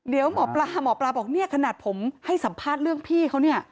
เดี๋ยวหมอปลาหมอปลาบอกเนี่ยขนาดผมให้สัมภาษณ์เรื่องพี่เขาเนี่ย